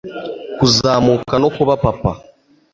Kuzamuka no kuba papa